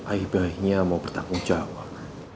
ayah bayahnya mau bertanggung jawab